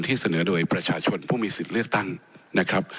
เสนอโดยประชาชนผู้มีสิทธิ์เลือกตั้งนะครับ